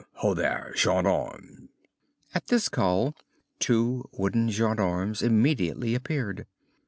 Ho there, gendarmes!" At this call two wooden gendarmes immediately appeared.